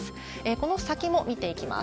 この先も見ていきます。